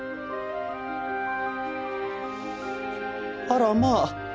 あらまあ。